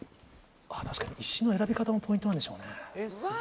確かに石の選び方もポイントなんでしょうね。